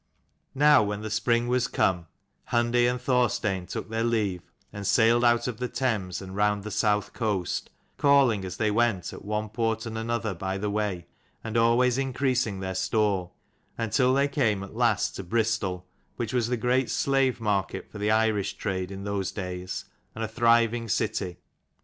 Now when the spring was come, Hundi and Thorstein took their leave, and sailed out of the Thames and round the South coast, calling as they went at one port and another by the way, and always increasing their store; until they came at last to Bristol, which was the great slave market for the Irish trade in those days, and a thriving city.